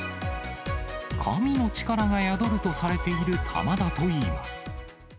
神の力が宿るとされている玉だといいます。